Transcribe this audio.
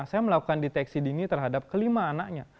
saya melakukan deteksi dini terhadap kelima anaknya